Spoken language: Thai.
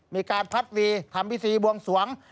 มีการพัดวีทำพิธีบวงสวง